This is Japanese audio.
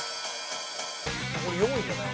これ４位じゃない？